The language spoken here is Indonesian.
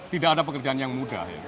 tidak ada pekerjaan yang mudah